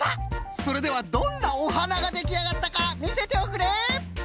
それではどんなおはなができあがったかみせておくれ！